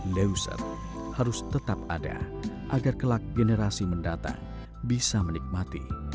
leuser harus tetap ada agar kelak generasi mendata bisa menikmati